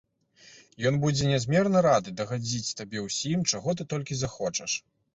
Ён будзе нязмерна рады дагадзіць табе ўсім, чаго ты толькі захочаш.